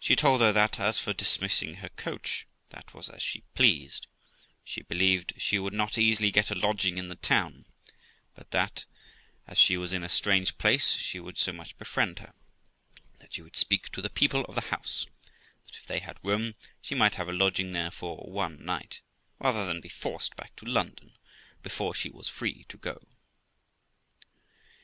She told her that, as for dismissing her coach, that was as she pleased, she believed she would not easily get a lodging in the town ; but that, as she was in a strange place, she would so much befriend her, that she would speak to the people of the house, that if they had room, she might have a lodging there for one night, rather than be forced back to London before she was free to go.